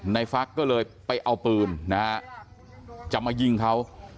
ฟักก็เลยไปเอาปืนนะฮะจะมายิงเขา